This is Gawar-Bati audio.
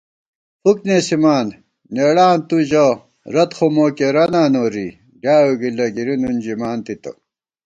فُک نېسِمان نېڑاں تُو ژَہ رت خو مو کېرَہ نا نوری ڈیائیؤ گِلہ گِری نُن ژِمان تِتہ